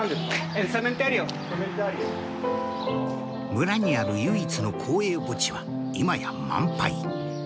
村にある唯一の公営墓地は今や満杯。